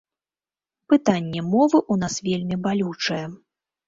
Пытанне мовы ў нас вельмі балючае.